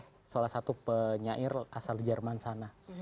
saya salah satu penyair asal jerman sana